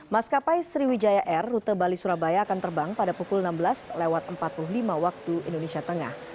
maskapai sriwijaya air rute bali surabaya akan terbang pada pukul enam belas lewat empat puluh lima waktu indonesia tengah